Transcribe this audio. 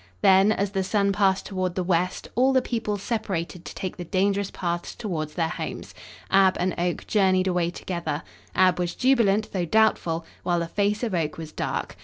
Then, as the sun passed toward the west, all the people separated to take the dangerous paths toward their homes. Ab and Oak journeyed away together. Ab was jubilant, though doubtful, while the face of Oak was dark.